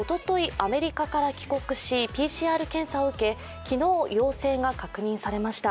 アメリカから帰国しＰＣＲ検査を受け、昨日、陽性が確認されました。